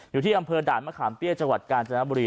อยู่ที่อำเภอด่านมะขามเตี้ยจังหวัดกาญจนบุรี